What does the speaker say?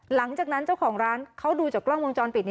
หลังจากนั้นเจ้าของร้านเขาดูจากกล้องวงจรปิด